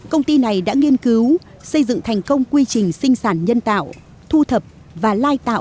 công ty này đã nghiên cứu xây dựng thành công quy trình sinh sản nhân tạo thu thập và lai tạo